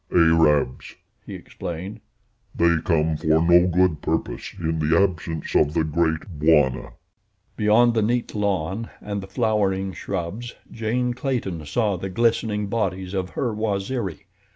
"Arabs," he explained. "They come for no good purpose in the absence of the Great Bwana." Beyond the neat lawn and the flowering shrubs, Jane Clayton saw the glistening bodies of her Waziri.